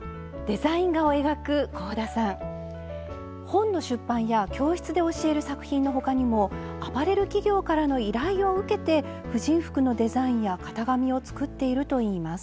本の出版や教室で教える作品の他にもアパレル企業からの依頼を受けて婦人服のデザインや型紙を作っているといいます。